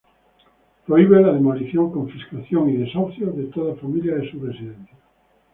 Prohíbe la demolición, confiscación y el desahucio de toda familia de su residencia.